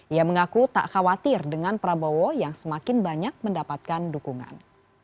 ia mengaku tak khawatir dengan prabowo yang semakin banyak mendapatkan dukungan